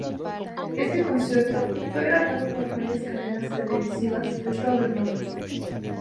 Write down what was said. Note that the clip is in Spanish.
Este concierto fue grabado por varias cadenas televisivas de todo el mundo.